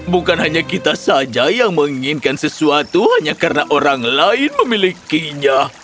bukan hanya kita saja yang menginginkan sesuatu hanya karena orang lain memilikinya